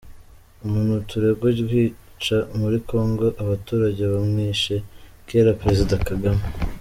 Umuntu turegwa kwica muri kongo abaturega bamwishe kera-Perezida Kagame